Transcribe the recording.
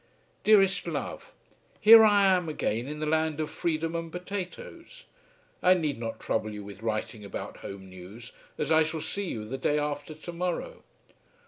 Dearest love. Here I am again in the land of freedom and potatoes. I need not trouble you with writing about home news, as I shall see you the day after to morrow.